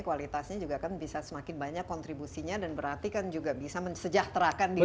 kualitasnya juga kan bisa semakin banyak kontribusinya dan berarti kan juga bisa mensejahterakan diri